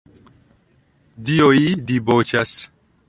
Dioj diboĉas.